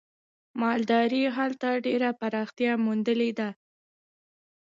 مالدارۍ هلته ډېره پراختیا موندلې ده.